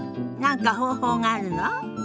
何か方法があるの？